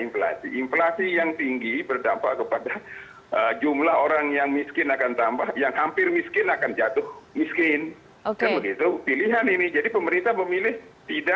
pasti tidak populis tapi kan ada